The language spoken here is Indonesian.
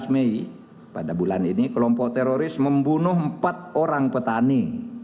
tujuh belas mei pada bulan ini kelompok teroris membunuh empat orang petani